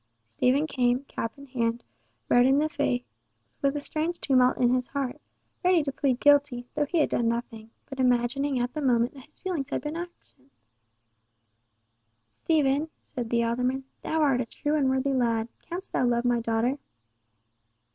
Stephen came, cap in hand, red in the face, with a strange tumult in his heart, ready to plead guilty, though he had done nothing, but imagining at the moment that his feelings had been actions. "Stephen," said the alderman, "thou art a true and worthy lad! Canst thou love my daughter?"